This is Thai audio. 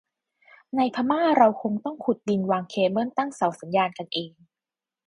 ในพม่าเราคงต้องขุดดินวางเคเบิลตั้งเสาสัญญาณกันเอง